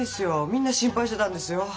みんな心配してたんですよ。